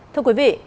thưa quý vị